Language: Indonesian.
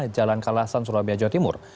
jalan kalasan surabaya jawa timur